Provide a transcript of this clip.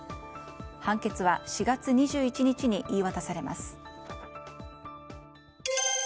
判決は４月２１日に言い渡されます。